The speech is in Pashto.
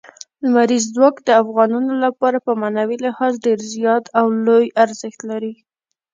لمریز ځواک د افغانانو لپاره په معنوي لحاظ ډېر زیات او لوی ارزښت لري.